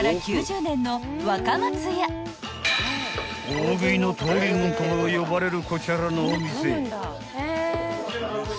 ［大食いの登竜門とも呼ばれるこちらのお店］